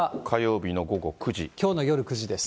きょうの夜９時です。